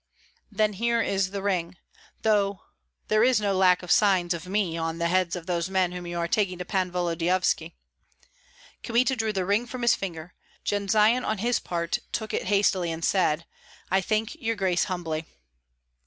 '" "Then here is the ring; though there is no lack of signs of me on the heads of those men whom you are taking to Pan Volodyovski." Kmita drew the ring from his finger. Jendzian on his part took it hastily, and said, "I thank your grace humbly."